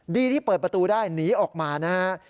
ที่เปิดประตูได้หนีออกมานะฮะ